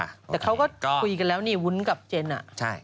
แต่เขาก็คุยกันแล้วนี่วุ้นกับเจนอ่ะใช่